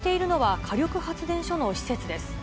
燃えているのは火力発電所の施設です。